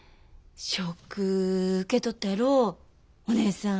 ショック受けとったやろお義姉さん。